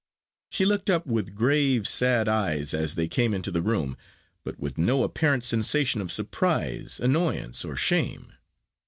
She looked up with grave sad eyes as they came into the room, but with no apparent sensation of surprise, annoyance, or shame.